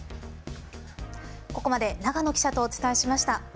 ここまで永野記者とお伝えしました。